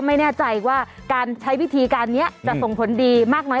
ไม่แน่ใจว่าการใช้วิธีการนี้จะส่งผลดีมากน้อย